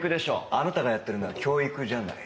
あなたがやってるのは教育じゃない。